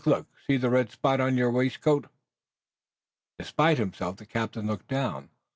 Look! See the red spot on your waistcoat!" Despite himself the captain looked down.